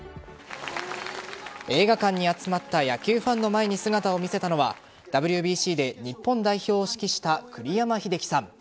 映画館に集まった野球ファンの前に姿を見せたのはＷＢＣで日本代表を指揮した栗山英樹さん。